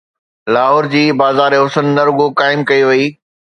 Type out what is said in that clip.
لاهور جي بازار حسن نه رڳو قائم ڪئي وئي.